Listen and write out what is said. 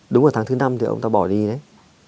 đúng vào tháng thứ năm thì ông ta bỏ đi đấy